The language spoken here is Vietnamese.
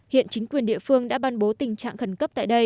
hiện chính quyền địa phương đã ban bố tình trạng khẩn cấp tại đây